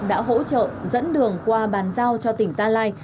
đã hỗ trợ dẫn đường qua bàn giao cho tỉnh gia lai